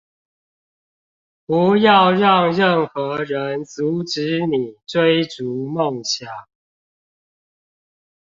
不要讓任何人阻止你追逐夢想